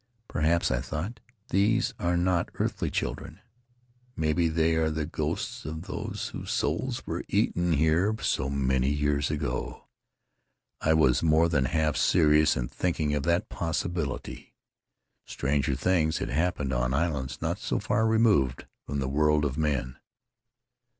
"Perhaps," I thought, "these are not earthly children. Maybe they are the ghosts of those whose souls were eaten here so many years ago." I was more than half serious in thinking of that possibility. Stranger things had happened on islands not so far removed from the world of men.